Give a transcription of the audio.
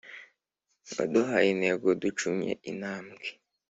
Waduhaye intego ducumye intambwe